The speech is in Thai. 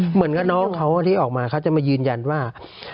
เหมือนกับน้องเขาที่ออกมาเขาจะมายืนยันว่า